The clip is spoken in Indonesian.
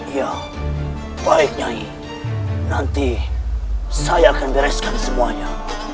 ya baiknya i nanti saya akan bereskan semuanya